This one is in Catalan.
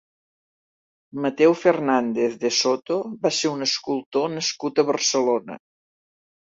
Mateu Fernández de Soto va ser un escultor nascut a Barcelona.